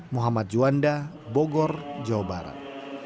muhammad juanda bogor jawa barat